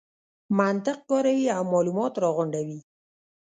منطق کاروي او مالومات راغونډوي.